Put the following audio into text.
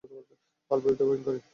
অল্পবিদ্যা ভয়ংকরী।